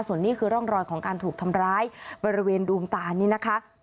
ส่วนนี้คือร่องรอยของการถูกทำร้ายบริเวณดวงตานี่นะคะ